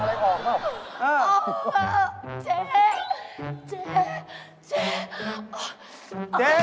เออเจ๊เจ๊